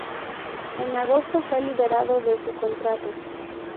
En agosto fue liberado de su contrato.